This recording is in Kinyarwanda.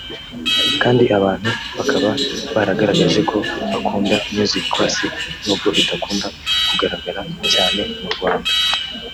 kandi abantu bakaba baragaragaje ko bakunda music classic nubwo idakunda kugaragara cyane mu Rwanda